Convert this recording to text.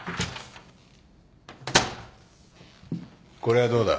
これはどうだ。